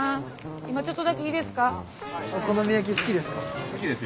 今ちょっとだけいいですか？